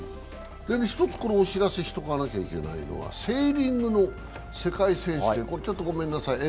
１つお知らせしておかなきゃいけないのはセーリングの世界選手権。